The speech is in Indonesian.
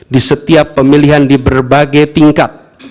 di setiap pemilihan di berbagai tingkat